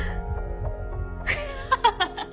ハハハハッ！